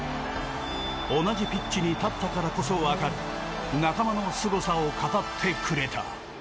同じピッチに立ったからこそ分かる仲間のすごさを語ってくれた。